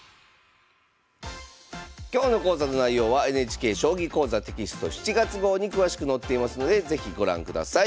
今日の講座の内容はＮＨＫ「将棋講座」テキスト７月号に詳しく載っていますので是非ご覧ください。